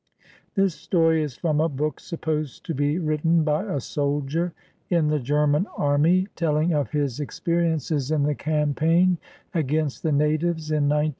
This story is from a book sup posed to be written by a soldier in the German army telling of his experiences in the campaign against the natives in 1903 04.